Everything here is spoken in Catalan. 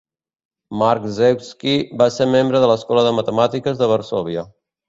Marczewski va ser membre de l'Escola de Matemàtiques de Varsòvia.